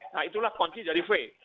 nah itulah kunci dari v